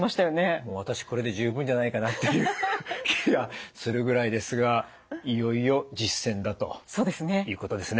私これで十分じゃないかなっていう気がするぐらいですがいよいよ実践だということですね。